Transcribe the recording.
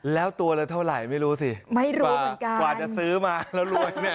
แล้วตัวละเท่าไหร่ไม่รู้สิไม่รู้เหมือนกันกว่าจะซื้อมาแล้วรวยเนี่ย